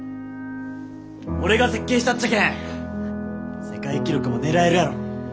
俺が設計したっちゃけん世界記録も狙えるやろ。